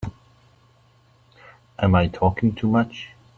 Am I talking too much?